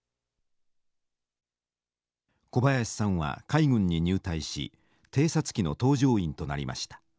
小林さんは海軍に入隊し偵察機の搭乗員となりました。